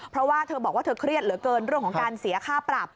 เพราะว่าเธอบอกว่าเธอเครียดเหลือเกินเรื่องของการเสียค่าปรับ